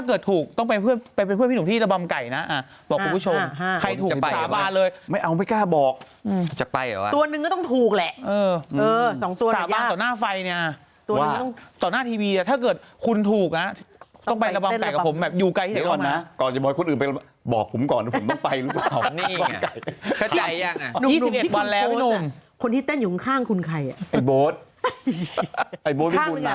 นี่ก่อนนี่รึ่งจริงไหมเนี่ยนี่พูดเองหรือรึงจริงเนี่ย